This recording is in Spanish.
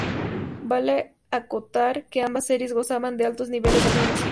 Vale acotar que ambas series gozaban de altos niveles de audiencia.